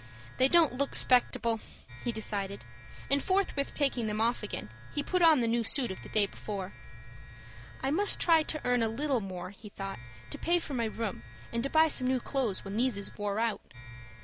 "They don't look 'spectable," he decided; and, forthwith taking them off again, he put on the new suit of the day before. "I must try to earn a little more," he thought, "to pay for my room, and to buy some new clo'es when these is wore out."